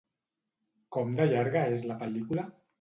Com de llarga és la pel·lícula?